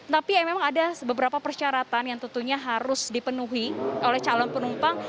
tapi memang ada beberapa persyaratan yang tentunya harus dipenuhi oleh calon penumpang